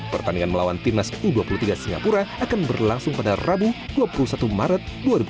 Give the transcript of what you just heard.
pertandingan melawan timnas u dua puluh tiga singapura akan berlangsung pada rabu dua puluh satu maret dua ribu dua puluh